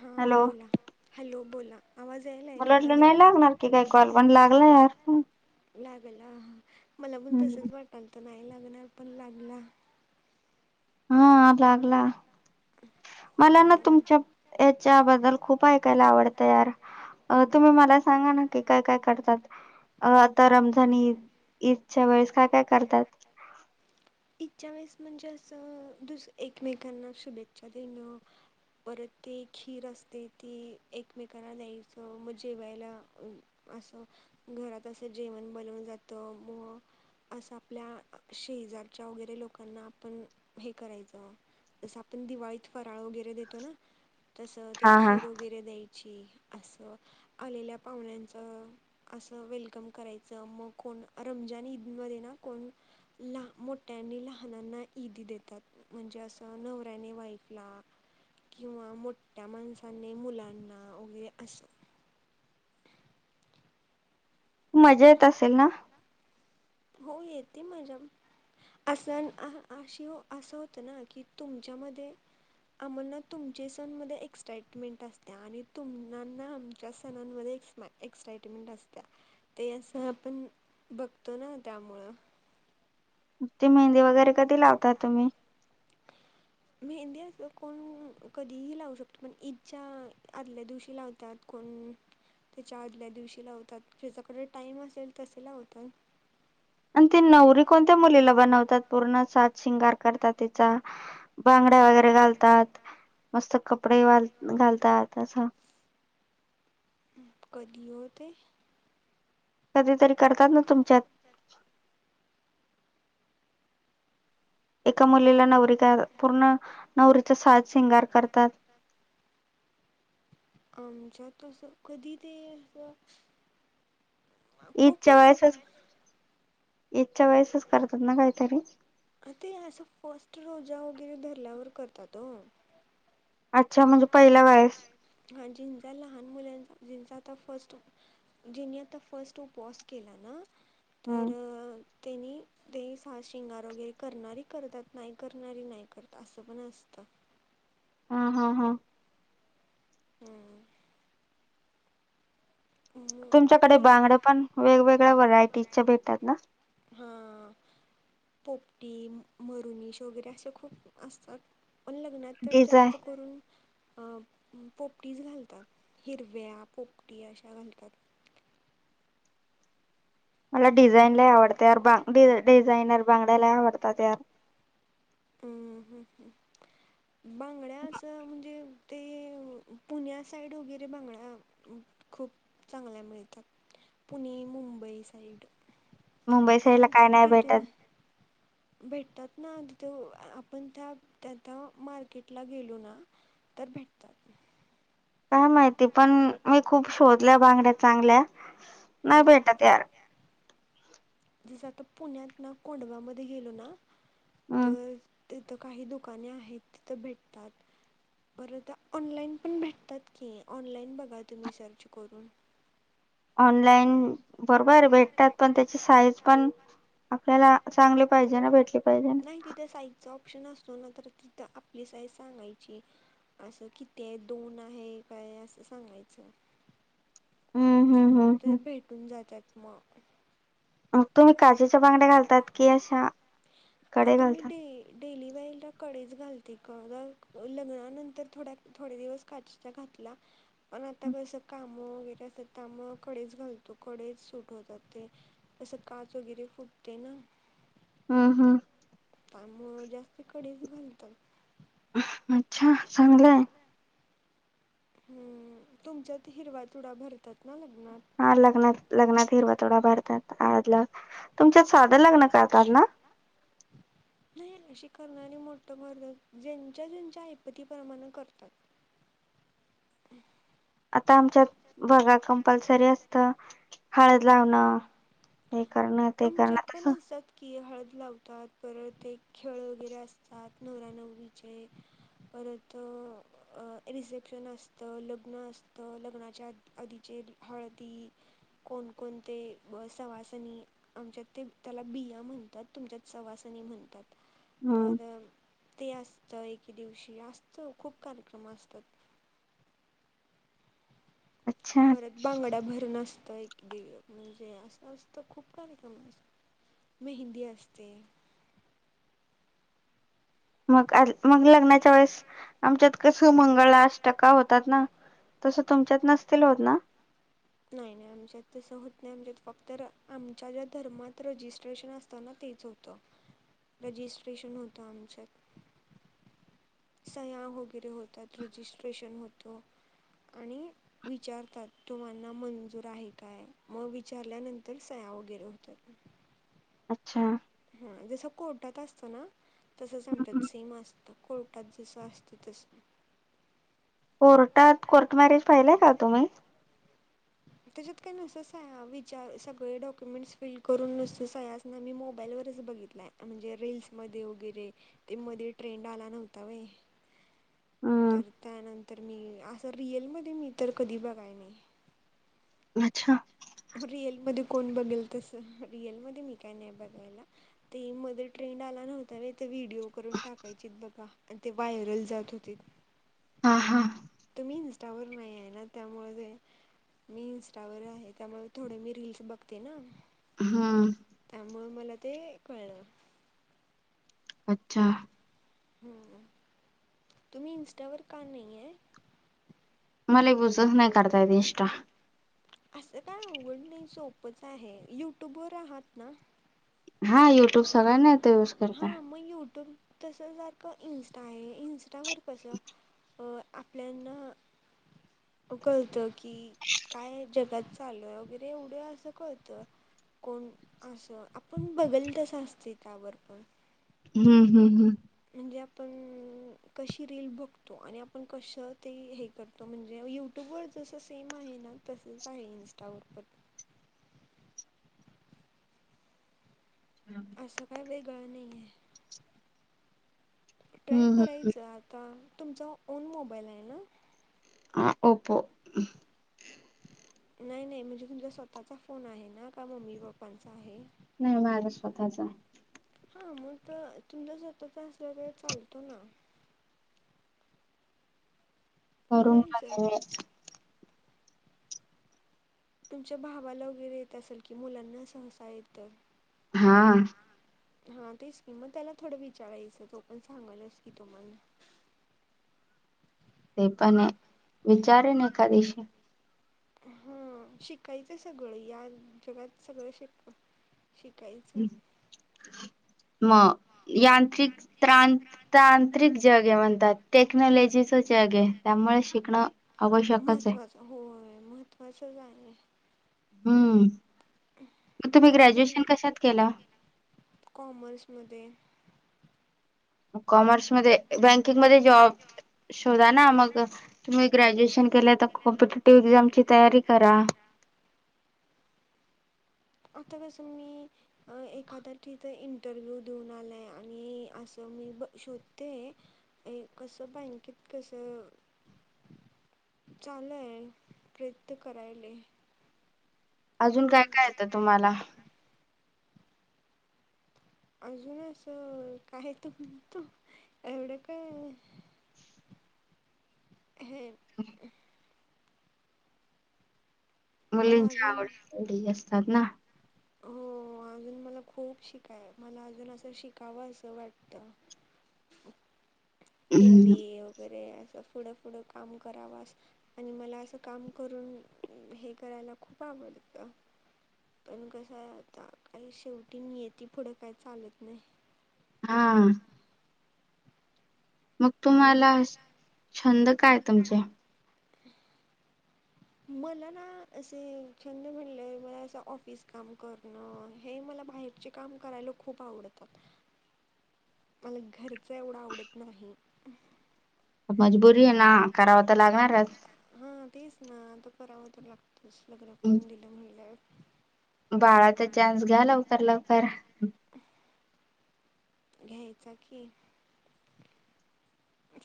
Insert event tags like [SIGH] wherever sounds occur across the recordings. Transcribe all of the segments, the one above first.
हा बोला हॅलो बोला मला वाटलं नाही लागणार की काही कॉल पण लागला यार मला पण तसच वाटाल तर नाही लागणार पण लागला हा लागला मला ना तुमच्या याच्याबद्दल खूप ऐकायला आवडतं यार अ तुम्ही मला सांगा ना की काय काय करतात? अ आता रमजान ईद ईदच्या वेळेस काय काय करतात? [INAUDIBLE] म्हणजे असं दुस एकमेकांना शुभेच्छा देणं परत ते खीर असते ती एकमेकला द्यायचं मग जेवायला घरात असं जेवण बनवून जात म असं आपल्या शेजारच्या वगैरे लोकांना आपण हे करायचं जस आपण दिवाळीत फराळ वगैरे देतो ना तसं ते खीर वगैरे द्याय अस आलेल्या पाहुण्याच अस वेलकम करायच मग रमजान ईद मध्ये ना कोण ल मोठ्यांनी लहानांना ईद देतात. म्हणजे असं नवऱ्याने वाइफ ला किंवा मोठठ्या माणसाने मुलांना वगैरे अस मजा येत असेल ना हो येते मजा असशी अस होत ना कि तुमच्या मध्ये आम्हा तुमचे सण म एक्साइटमेंट असते आणि तुमना आमच्या सनामध्ये एक्साइटमेंट असत ते असं आपण बघतो ना त्यामुळं ती मेहंदी वगैरे कधी लावताात तुम्ही मेहंदी अस कोण कधीही लावू शकतो पण ईदजा आदल्या दिवशी लावतात. कोण त्याच्या आदल्या दिवशी लावतात त्याच्याकडे टाइम असेल तसे लावतात. आणि ती नवरी कोणत्या मुलीला बनवतात पूर्ण सात शिंगार करतात तिचा बांगड्या वगैरे घालतात. मस्त कपडेल घालतात तस कधी ओ ते? कधीतरी करतात ना तुमच्यात एका मुलीला नवरी पूर्ण नवरीचा साज शिंगार करतात आमच्या तस कधी ते असं खूप वेळा कर ईद च्या वळेसच करतात ना काहीतरी कधी अ ते असं फर्स्ट रोजा वगैरे धरल्यावर करतात हो अच्छा म्हणजे पहिला [INAUDIBLE] ह जिंचा लहान मुलांचा जिचा आता फर्स्ट जिनी आता फर्स्ट उपवास के ना, तर... त्यांनी तेही सास शिंगार वगैरे करणारी करतात, नाही करणारी नाही करतात, असं पण असत. तर... हा- हा- हा हम्म.. तुमच्याकडे बांगड्या पण वेगवेगळ्या व्हरायटीच्या भेटतात ना? पोपटी मरुनिश वगैरे असे खूप असतात. पण लग्नात तर जास्त करून अ.. पोपटीज घालतात, हिरव्या पोपटी अशा घालतात. मला डिझाईन लय आवडते यार डिझाईनर बांगड्यालई आवडतात यार, हम्म.. हम् -हम् बांगड्या असं म्हणजे ते- पुण्या साईड वगैरे बांगडा खूप चांगल्या मिळतात. पुणे, मुंबई साईड मुंबई साईला काय नाही भेटत? भेटतात ना तिथे आपण त्या -त्या मार्केटला गेलो ना? तर भेटतात. काय माहिती पण मी खूप- शोधल्या बांगड्या चांगल्या, नाही भेटत यार, तर पुण्यात ना कोंडवामध्ये गेलो ना, तर... तिथं काही दुकाने आहेत तिथं भेटतात. बं ऑनलाईन पण भेटतात की ऑनलाईन बघा तुम्ही सर्च करून. ऑनलाइन बरोबर भेटतात. पण त्याची साईज पण आपल्याला- चांगली पाहिजे ना भेटली पाहिजे ना? असतो ना तर तिथ आपली साईज सांगायची अस किती आहे? दोन आहे का? असं सांगायचं. ते भेटून जातात मग, मग तुम्ही काचेच्या बांगड्या घालतात की अशा- आता मी डे डेली वईल कडेच घालते, लग्नानंतर थोड थोडे दिवस काचेचा घातल्या. आणि आता कसं काम- वगैरे अस त्यामुळे कडेच घालतो कडेच सुट होतात ते तस- काच वगैरे फुटते ना? हम... हम... आम जास्त कडीच घालतात. अच्छा चांगलंय, हम्म.. तुमच्यात हिरवा चुडा भरतात ना? लग- हा लग्नात लग्नात हिरवा चुडा भरतात आळला- तुमच्यात साध लग्न करतात ना? कारण आणि मोठ मण ज्यांच्या जच्या ऐपती प्रमाण करतात. ते [INAUDIBLE] आता आमच्यात बघा कंपल्सरी असत, हळद- लावणं हे करणं ते करण तस- ती हळद लावतात, परळ ते खेळ वगैरे असतात नवऱ्या नवरीचे- परत रिसेप्शन असत, लग्न असतं, लग्नाच्या आधीचे- हळदी कोणकोणते सवासनी? आमच्यात ते त्याला बिया म्हणतात, तुमच्यात सवासनी म्हणतात. तर ते असत एक- खी दिवशी जास्त खूप कार्यक्रम असतात. परत बांगड्या भरण नस- ता एक दे म्हणजे असं असत खूप कार्यक्रमा अस- मेहंदी असते मग मग लग्नाच्या वेळेस आमच्यात क सुमंगळाष्ट टका होतात ना तसं तुमच्यात नसतील होत ना नाही नाही आमच्यात स होत फक्त आमच्या ज्या धर्मात रजिस्ट्रेशन असतना तेच होतं रजिस्ट्रेशन होतं आमच्यात सह्या वगैरे होतात रजिस्ट्रेशन होतो आणि विचारतात तुम्हाना मंजूर आहे काय मग विचारल्यानंतर सह्या वगैरे होतात अच्छा हा जस कोर्टात असतं ना तसच आमच्या सेम असत कोर्टात जसं असत तस कोर्टात कोर्ट मॅरेज पाहिलंय का तुम्ही त्याच्यात काय नस विचार सगळे डॉक्युमेंटस फिल करून नसते ना मी मोबाईल व बघितय म्हणजे रीलल्स म वगैरे ते मध्ये ट्रेंड आला नव्हता वय तर त्यानंतर मी असं रियल मध्ये मी तर कधी बघाय नाही अच्छा रिअलमध्येध्ये कोण बघेल तस रिअलमध्ये मी काय नाही बघायला ते मध्ये ट्रें ला नव्ह ते व्हिडिओ करून टाकायचेत बघा आणि ते व्हायरल जात होते हा हा इनस्टावर नाही आहे ना त्यामुळे मी इंस्टावरर आहे त्यामुळे थोडे मी रीलस बघते ना हम त्यामुं मला ते कळलं अच्छा ह तुम्ही इन्स्टावर का नाहीये मला बुजच नाही करता येत इषा असं काय आवड नाही सोपंच आहे युट्यूबर आहात ना हा युट्यूब सगळ्यांना हा मग युट्यूब तस सारखं इंस्टा आहे इस्ट कस आपल्याला उकलतं की काय जगात चालय वगैरे एवढं असं करत कोण असं आपण बघल तसं असत त्यावर पण हम्म हम्म हम्म म्हणजे आपण कशी रील बघतो आणि आपण कसं ते हे करतो म्हणजे युट्यूब जस सेम आहे ना तसच आहे इनंस्टावर पण असं काय वेगळ नाहीे ट्राय करायचं आता तुमचा ओन मोबाईल आहे ना ओपो नाही नाही म्हणजे तुमचा स्वतःचा फोन आहे ना का मम्मी पप्पांचा आहे नाही माज स्वताःच आहे हा मग तुमचा स्वतःचा असल्या वेळ चालतो ना करून तुमच्या भावाला वगैरे येत असेल कि मुलांना सहसा येत हा हा तेच की मग त्याला थोडं विचारायचं तो पण सांगायलास की तुम्हाला ते पण विचार न एकादिशी हा शिकायचं सगळं या जगात सगळं शिक शिकायचं मग यांत्रिक त तांत्रिक जग आहे म्हणतात टेक्नॉलॉजीचच जग आहे त्यामुळे शिकणं महत्वाचं हो महत्वाचं आहे हम्म आता तु ग्रॅजुएशन क के कॉमर्स मध्ये कॉमर्समध्येध्ये बँकिंग मध्ये जॉब शोधा ना मग तुम्ही ग्रॅज्युएशन केलं तर कॉम्पिटेटिव एक्झामची तयारी करा [INAUDIBLE] आता कसं मी एखाद्या तिथ इंटरव्ह्यू देऊन आलाय आणि असं मी ब शोधते कस बँकित कस चालय प्रयत्न करायले अजून काय काय येतं तुम्हाला अजून असं काय तू तू एवढं काय हे मुलींच्या आवडीली असतात ना. हो. मला खूप शिकाय मला अजून असं शिकावं असं वाटत. एम बी ए वगैरे पुढं पुुढं काम करावास आणि मला असं काम करून हे करायला खूप आ कात पण कसं आहे आता काही शेवटी मी येेते पुढं काय चालत नाही. हा. मग तुम्हाला छंद काय तुमचे [UNINTELLIGIBLE] मला ना असे छंद म्हणटले मला असं ऑफिस काम करणं हे मला बा काम करायला खूप आवडतात. मला घरच एवढं आवडत नाही. मजबुरी आहे ना कराव तर लागणारच. करावं तर लागतोच लग्न करून दिलं म्हणलं. बाळाचा चान्स घ्या लवकर लवकर. [UNINTELLIGIBLE] घ्यायचा की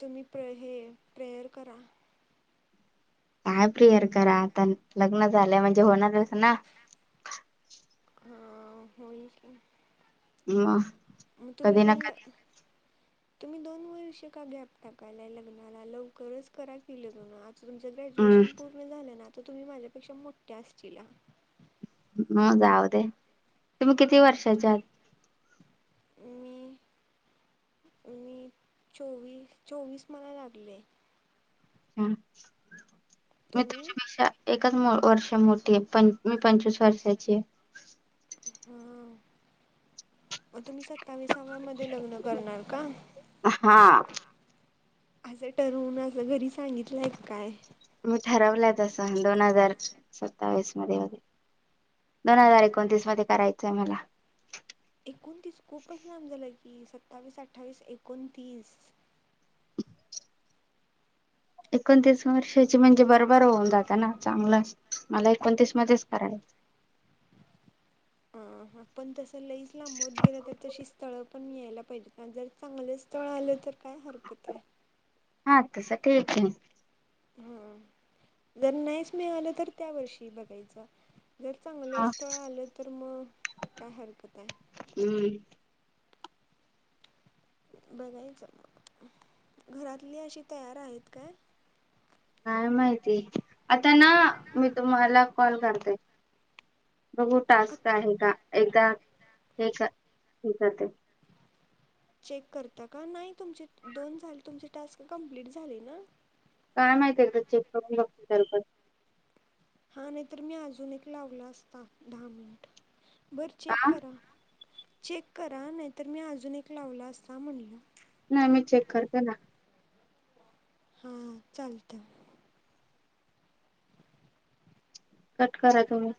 तुम्ही प्र हे प्रेयर करा. काय प्रियर करा आता लग्न झालं म्हणजे होणारस ना. हा होयच. ह कधी ना कधी तुम्ही दोन वर्ष का गॅप टाकायला लग्नाला लवकरच करा की लग्न. तुमचं ग्रॅज्युएशन पूर्ण झालं ना तर तुम्ही माझ्यापेक्षा मोठ्या असतील. हम जाऊ दे तु् किती वर्षाच्या आत [UNINTELLIGIBLE] मी चोवीस चोवीस मला लागले. ह मी तुमच्यापेक्षा एच वर्ष मोठी आहे. प मी पंचवीस वर्षाची आहे. हा मग तुम्ही सत्ताविसाव्या मध्ये लग्न करणार का? हा असं ठरवून अस घरी सांगितलंय काय? मी ठरवलं त स दोन हजार सत्तावीस मध्ये होते. दोन हजार एकोणतीस मध्ये करायचंय मला एकोणतीस खूपच लाम झालं कि सत्तावीस अठ्ठावीस एकोणतीस एकोणतीस वर्षाची म्हणजे, बरोबर होऊन जातं ना चांगलं. मला एकोणतीस मध्येच कराय. ह पण तस लईस्लामबद गेला, तर तशी स्थळं पण मि यायला पाहिजे जर चांगलंच. थळ आलं तर काय हरकत आहे. हा तस का. हा जर नाहीच मिळालं तर त्या वर्षी बघायचं. जर चांगलं स्थळ आलं तर मग काय हरकत आहे. बघायचं मग घरातली अशी तयार आहेत काय. काय माहिती आता ना मी तुम्हाला कॉल करते. बघू टास्क आहे का एकदा हे हे कर. चेक करता का नाही, तुमचे दोन झा तुमचे टास्क कमप्लीट झाले ना. काय माहिित आहे चे करून बघते स हा नाही तर मी अजून एक लावला असता, दहा मिनिट बर चेक करा. चेक करा नाहीतर मी अजून एक लावला असता म्हणलं. नाही मी चेक करते ना. हा चालतं. कट करा तुम्ही.